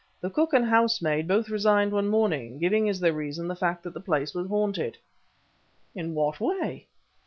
The cook and housemaid both resigned one morning, giving as their reason the fact that the place was haunted." "In what way?"